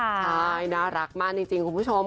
ใช่น่ารักมากจริงคุณผู้ชม